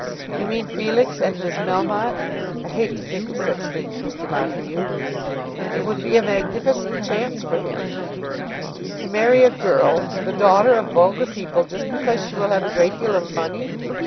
"You mean Felix and Miss Melmotte. I hate to think of such things, Mr. Montague." "It would be a magnificent chance for him." "To marry a girl, the daughter of vulgar people, just because she will have a great deal of money?